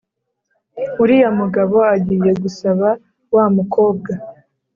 Uriya mugabo agiye gusaba wa mukobwa